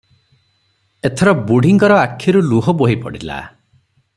ଏଥର ବୁଢ଼ୀଙ୍କର ଆଖିରୁ ଲୁହ ବୋହି ପଡ଼ିଲା ।